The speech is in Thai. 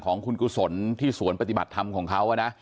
ของครูสนที่สวนปฏิบัติธรรมของเค้านะ